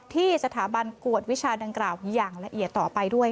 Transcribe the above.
ที่สถาบันกวดวิชาดังกล่าวอย่างละเอียดต่อไปด้วย